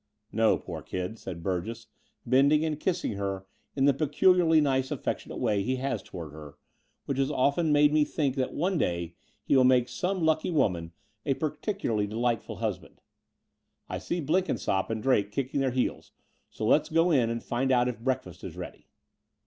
"No, poor old kid," said Burgess, bending and kissing her in the peculiarly nice affectionate way he has towards her, which has often made me think that one day he will make some lucky woman a / The Brighton Road 87 particulaxly delightful husband. "I see Blenkin sopp and Drake kicking their heels : so let's go in and find out if breakfast is ready."